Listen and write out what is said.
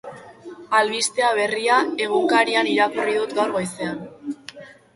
Albistea Berria egunkarian irakurri dut gaur goizean.